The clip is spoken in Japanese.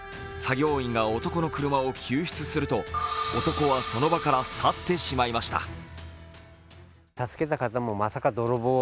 作業員が男の車を救出すると男はその場から去ってしまいました。